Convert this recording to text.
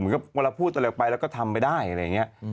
เหมือนกับเวลาพูดตัวเนี่ยไปแล้วก็ทำไปได้อะไรอย่างเงี้ย